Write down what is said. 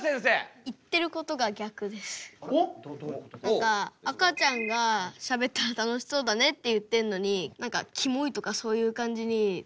何か赤ちゃんがしゃべったら楽しそうだねって言ってんのに何かキモいとかそういう感じにツッコんでて。